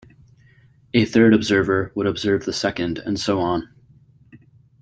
A third observer would observe the second and so on.